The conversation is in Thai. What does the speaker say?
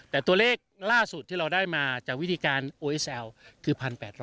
แต่ตัวเลขล่าสุดที่เราได้มาจากวิธีการโอ๊ยแซวคือ๑๘๐๐